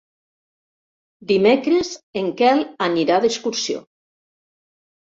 Dimecres en Quel anirà d'excursió.